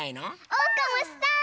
おうかもしたい！